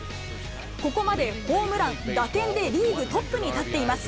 ここまでホームラン、打点でリーグトップに立っています。